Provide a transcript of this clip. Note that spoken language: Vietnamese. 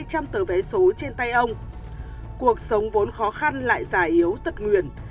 trong khi ông đã đưa ra tờ vé số trên tay ông cuộc sống vốn khó khăn lại giải yếu tật nguyền